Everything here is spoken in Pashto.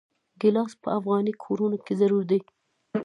ګیلاس په افغاني کورونو کې ضروري دی.